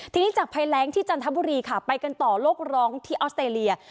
ทีนี้จากภัยแรงที่จันทบุรีค่ะไปกันต่อโลกร้องที่ออสเตรเลีย